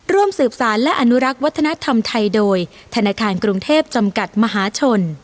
ร่วมสืบสารและอนุรักษ์วัฒนธรรมไทยโดยธนาคารกรุงเทพจำกัดมหาชน